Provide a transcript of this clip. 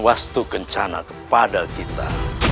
wastu kencana kepada kita